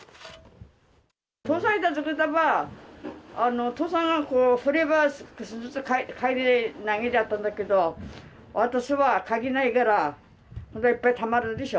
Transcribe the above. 父さんいたときは、父さんが、降ればずっとかいて投げてあったんだけど、私はかけないから、いっぱいたまるでしょ。